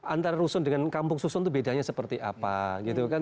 antara rusun dengan kampung susun itu bedanya seperti apa gitu kan